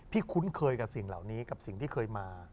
คุ้นเคยกับสิ่งเหล่านี้กับสิ่งที่เคยมา